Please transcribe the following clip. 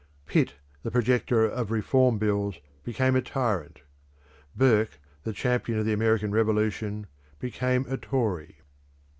Pitt, the projector of Reform Bills, became a tyrant. Burke, the champion of the American Revolution, became a Tory.